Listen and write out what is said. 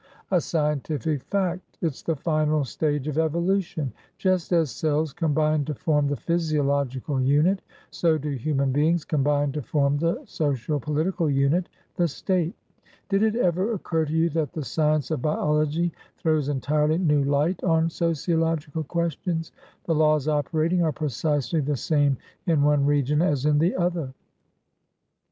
"A scientific fact. It's the final stage of evolution. Just as cells combine to form the physiological unit, so do human beings combine to form the social political unitthe State. Did it ever occur to you that the science of biology throws entirely new light on sociological questions? The laws operating are precisely the same in one region as in the other.